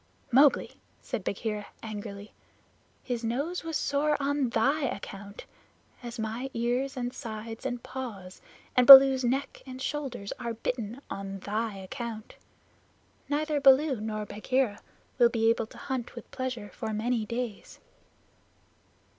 "Mowgli," said Bagheera angrily, "his nose was sore on thy account, as my ears and sides and paws, and Baloo's neck and shoulders are bitten on thy account. Neither Baloo nor Bagheera will be able to hunt with pleasure for many days."